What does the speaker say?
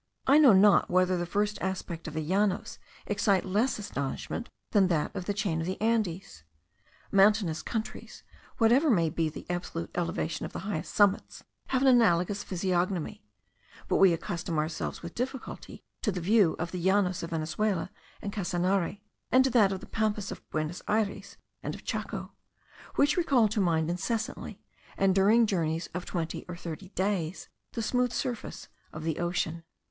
I know not whether the first aspect of the Llanos excite less astonishment than that of the chain of the Andes. Mountainous countries, whatever may be the absolute elevation of the highest summits, have an analogous physiognomy; but we accustom ourselves with difficulty to the view of the Llanos of Venezuela and Casanare, to that of the Pampas of Buenos Ayres and of Chaco, which recal to mind incessantly, and during journeys of twenty or thirty days, the smooth surface of the ocean.